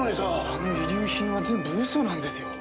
あの遺留品は全部嘘なんですよ。